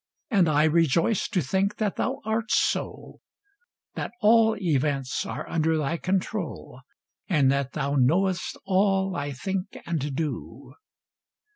And I rejoice to think that thou art so; That all events are under thy control, And that thou knowest all I think and do.